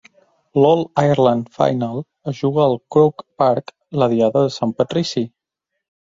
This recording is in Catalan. L'"All-Ireland Final" es juga al Croke Park la diada de Sant Patrici.